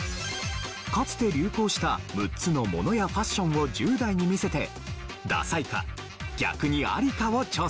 かつて流行した６つの物やファッションを１０代に見せてダサいか逆にアリかを調査。